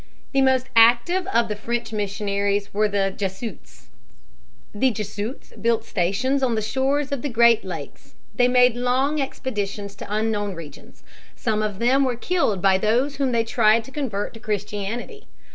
The most active of the French missionaries were the Jesuits. built stations on the shores of the Great Lakes. They made long expeditions to unknown regions. Some of them were killed by those whom they tried to convert to Christianity.